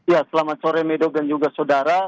ya selamat sore mido dan juga saudara